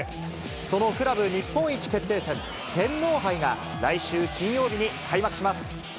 そのクラブ日本一決定戦、天皇杯が、来週金曜日に開幕します。